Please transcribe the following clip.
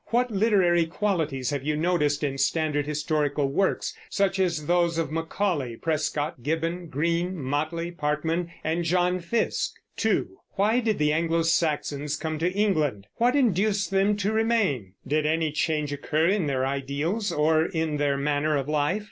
What literary qualities have you noticed in standard historical works, such as those of Macaulay, Prescott, Gibbon, Green, Motley, Parkman, and John Fiske? 2. Why did the Anglo Saxons come to England? What induced them to remain? Did any change occur in their ideals, or in their manner of life?